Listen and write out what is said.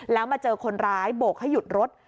แล้วมาเจอคนร้ายโบกให้หยุดรถ